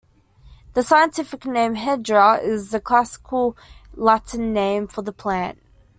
The scientific name "Hedera" is the classical Latin name for the plant.